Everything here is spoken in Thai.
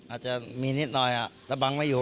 อาจจะมีนิดหน่อยแต่บังไม่อยู่